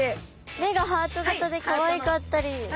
目がハート型でかわいかったり。